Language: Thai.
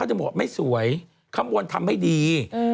อาจจะเป็นการแสดง